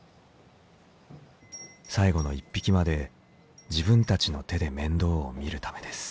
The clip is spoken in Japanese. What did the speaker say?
最後の１匹まで自分たちの手で面倒を見るためです。